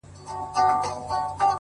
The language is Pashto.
بدراتلونکی دې مستانه حال کي کړې بدل;